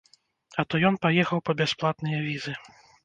А то ён паехаў па бясплатныя візы.